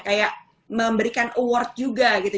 kayak memberikan award juga gitu